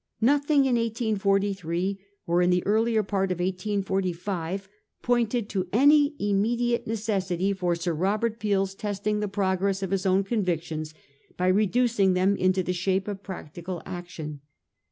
Nothing in 1843 or in the earlier part of 1845 pointed to any immediate neces sity for Sir Robert Peel's testing the progress of his own convictions by reducing them into the shape of practical action.